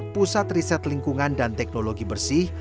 pusat riset lingkungan dan teknologi bersih